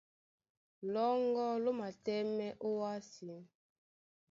Lɔ́ŋgɔ́ ló matɛ́mɛ́ ówásē.